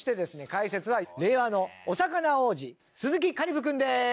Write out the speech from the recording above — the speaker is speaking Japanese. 解説は令和のお魚王子鈴木香里武君です。